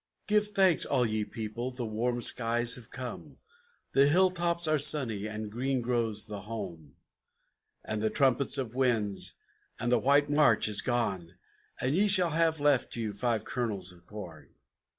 "Give thanks, all ye people, the warm skies have come, The hilltops are sunny, and green grows the holm, And the trumpets of winds, and the white March is gone, And ye still have left you Five Kernels of Corn.